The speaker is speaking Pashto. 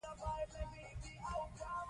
پېیر کوري د لابراتوار کار ته دوام ورکړ.